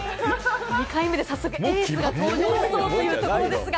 ２回目で早速、エースが登場しそうというところですが。